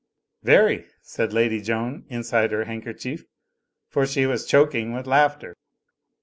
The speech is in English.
"Very," said Lady Joan, inside her handkerchief, for she was choking with laughter.